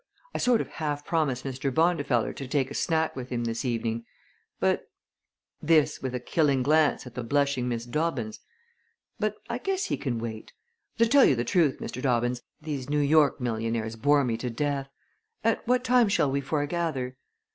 I sort of half promised Mr. Bondifeller to take a snack with him this evening, but" this with a killing glance at the blushing Miss Dobbins "but I guess he can wait. To tell you the truth, Mr. Dobbins, these New York millionaires bore me to death. At what time shall we foregather?"